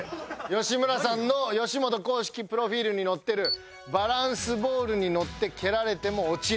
吉村さんの吉本公式プロフィールに載ってる「バランスボールに乗って蹴られても落ちない」。